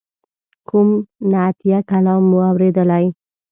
کوم نعتیه کلام مو اوریدلی.